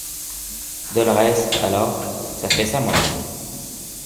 Dolorès, alors, s'affaissa, mollement.